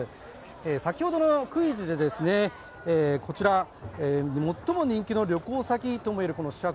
先ほどのクイズで最も人気の旅行先ともいえるシ博